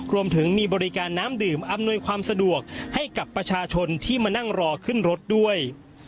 รวมถึงมีบริการน้ำดื่มอำนวยความสะดวกให้กับประชาชนที่มานั่งรอขึ้นรถด้วย